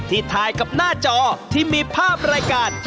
ถ่ายกับหน้าจอที่มีภาพรายการ